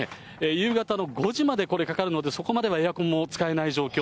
夕方の５時まで、これ、かかるので、そこまではエアコンも使えない状況。